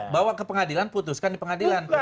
bawa ke pengadilan putuskan di pengadilan